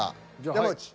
山内。